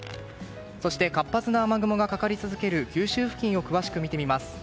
そして、活発な雨雲がかかり続ける九州付近を詳しく見てみます。